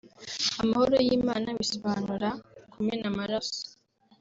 Amahoro y’Imana bisobanura kumena amaraso